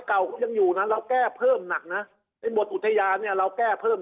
เก่าก็ยังอยู่นะเราแก้เพิ่มหนักนะไอ้หมดอุทยานเนี่ยเราแก้เพิ่ม